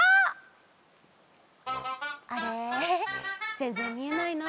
ぜんぜんみえないな。